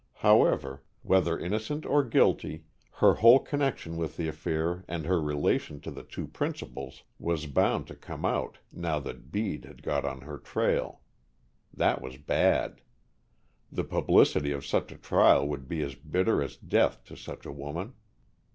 However, whether innocent or guilty, her whole connection with the affair and her relation to the two principals was bound to come out, now that Bede had got on her trail. That was bad. The publicity of such a trial would be as bitter as death to such a woman.